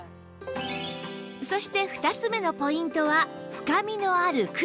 そして２つ目のポイントは深みのある黒